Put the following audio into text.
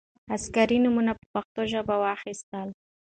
عسکري نومونه په پښتو ژبه واوښتل.